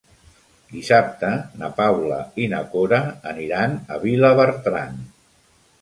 Dissabte na Paula i na Cora aniran a Vilabertran.